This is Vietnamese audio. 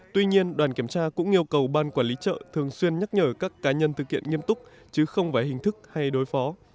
tuy nhiên đoàn kiểm tra cũng yêu cầu ban quản lý chợ thường xuyên nhắc nhở các cá nhân thực hiện nghiêm túc chứ không phải hình thức hay đối phó